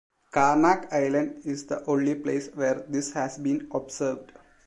Carnac Island is the only place where this has been observed.